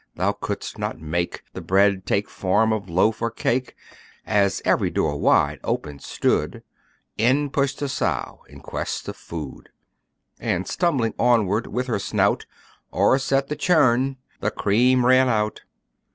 thou couldst not make The bread take form of loaf or cake. As every door wide open stood, In pushed the sow in quest of food; And, stumbling onward, with her snout O'erset the churn the cream ran out.